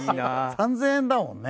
３０００円だもんね。